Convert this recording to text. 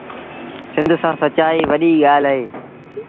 سند سآݩ سچآئيٚ وڏيٚ ڳآل اهي۔